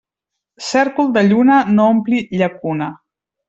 Cèrcol de lluna no ompli llacuna.